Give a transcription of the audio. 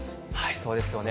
そうですよね。